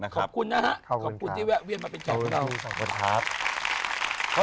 ขอบคุณนะครับที่แวะเวียนมาเป็นเกี่ยวกับเรา